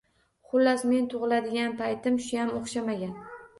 Xullas, men tugʻiladigan paytim shuyam oʻxshamagan